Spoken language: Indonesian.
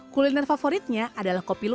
kuliner favoritnya adalah kopi luwa